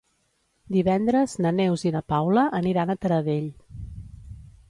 Divendres na Neus i na Paula aniran a Taradell.